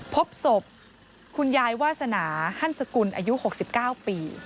พบศพคุณยายวาสนาฮันสกุลอายุ๖๙ปี